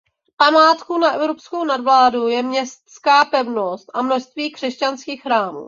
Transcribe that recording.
Památkou na evropskou nadvládu je městská pevnost a množství křesťanských chrámů.